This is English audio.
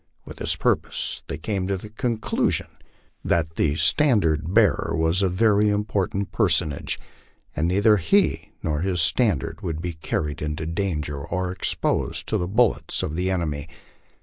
With this purpose they came to the conclusion that the LIFE ON THE PLAINS. 161 standard bearer was a very important personage, and neither lie nor bis standard would be carried into danger or exposed to the bullets of the enemy.